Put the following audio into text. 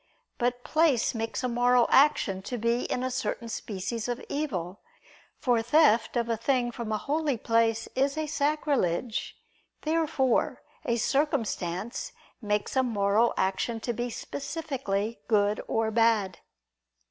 But place makes a moral action to be in a certain species of evil; for theft of a thing from a holy place is a sacrilege. Therefore a circumstance makes a moral action to be specifically good or bad.